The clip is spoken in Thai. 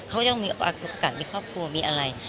เขาจะต้องมีอากฎกันมีครอบครัวมีอะไร